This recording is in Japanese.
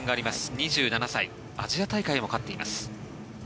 ２７歳アジア大会も勝っています。